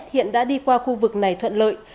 hiện đã đi qua khu vực này thuận lợi